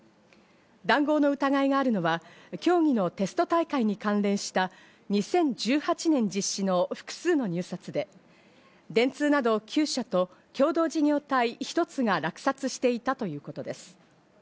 談合の疑いがあるのは競技のテスト大会に関連した２０１８年実施の複数の入札で、電通など９社と共同事業体１つが落札していたということです。